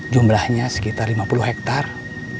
jumlahnya sekitar lima puluh hektare